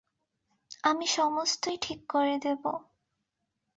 আমি সমস্তই ঠিক করে দেব।